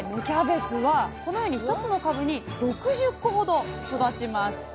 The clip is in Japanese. キャベツはこのように１つの株に６０個ほど育ちます。